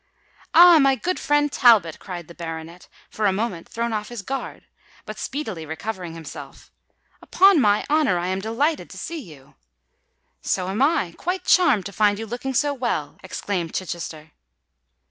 "Ah! my good friend Talbot!" cried the baronet, for a moment thrown off his guard, but speedily recovering himself: "upon my honour I am delighted to see you!" "So am I—quite charmed to find you looking so well!" exclaimed Chichester.